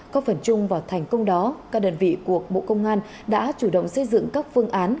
có phần chung vào thành công đó các đơn vị của bộ công an đã chủ động xây dựng các phương án